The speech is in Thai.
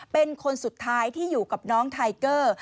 เป็นคนสุดท้ายที่อยู่กับน้องไทเกอร์